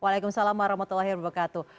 waalaikumsalam warahmatullahi wabarakatuh